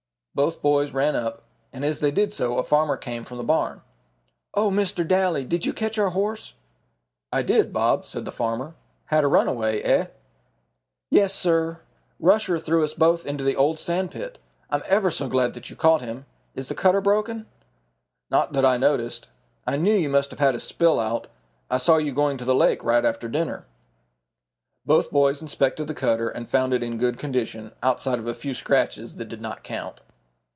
Both boys ran up, and as they did so a farmer came from the barn. "Oh, Mr. Daly, did you catch our horse?" "I did, Bob," said the farmer. "Had a runaway, eh?" "Yes, sir. Rusher threw us both into the old sand pit. I'm ever so glad you caught him. Is the cutter broken?" "Not that I noticed. I knew you must have had a spill out. I saw you going to the lake right after dinner." Both boys inspected the cutter and found it in good condition, outside of a few scratches that did not count.